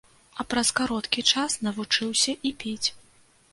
А праз кароткі час навучыўся і піць.